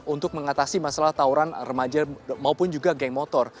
untuk mengatasi masalah tawuran remaja maupun juga geng motor